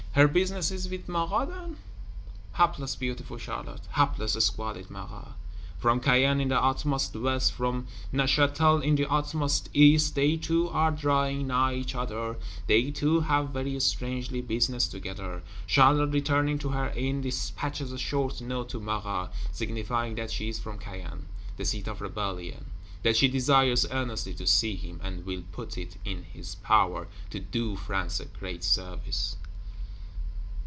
Her business is with Marat, then? Hapless beautiful Charlotte; hapless squalid Marat! From Caen in the utmost West, from Neuchâtel in the utmost East, they two are drawing nigh each other; they two have, very strangely, business together. Charlotte, returning to her Inn, dispatches a short Note to Marat; signifying that she is from Caen, the seat of rebellion; that she desires earnestly to see him, and "will put it in his power to do France a great service."